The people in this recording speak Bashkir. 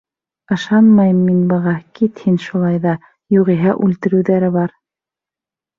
Ышанмайым мин быға, кит һин шулай ҙа, юғиһә үлтереүҙәре бар.